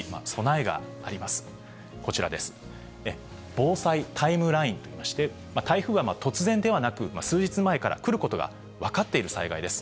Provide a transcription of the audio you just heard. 防災タイムラインといいまして、台風は突然ではなく、数日前から来ることが分かっている災害です。